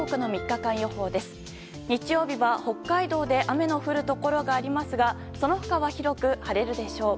日曜日は北海道で雨の降るところがありますがその他は広く晴れるでしょう。